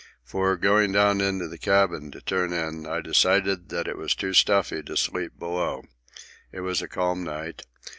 For, going down into the cabin to turn in, I decided that it was too stuffy to sleep below. It was a calm night.